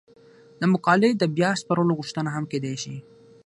د مقالې د بیا سپارلو غوښتنه هم کیدای شي.